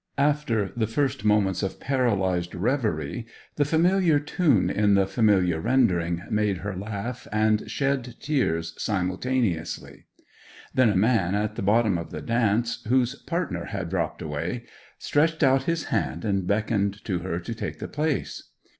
After the first moments of paralyzed reverie the familiar tune in the familiar rendering made her laugh and shed tears simultaneously. Then a man at the bottom of the dance, whose partner had dropped away, stretched out his hand and beckoned to her to take the place.